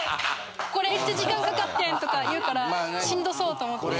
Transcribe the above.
これ時間かかってんとか言うからしんどそうと思って。